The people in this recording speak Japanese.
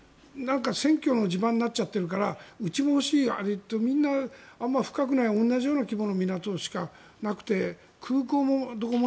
選挙の地盤になっちゃってるからうちも欲しいみんなあまり深くない同じような規模の港しかなくて空港もどこも。